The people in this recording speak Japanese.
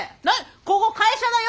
ここ会社だよ。